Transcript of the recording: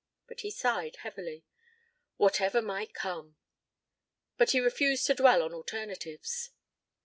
But he sighed heavily. "Whatever might come." But he refused to dwell on alternatives.